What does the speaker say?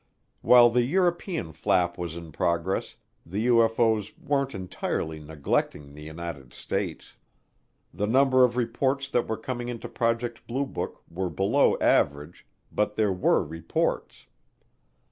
While the European Flap was in progress, the UFO's weren't entirely neglecting the United States. The number of reports that were coming into Project Blue Book were below average, but there were reports.